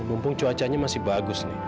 mumpung cuacanya masih bagus